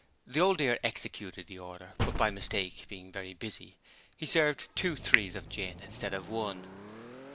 The Old Dear executed the order, but by mistake, being very busy, he served two 'threes' of gin instead of one.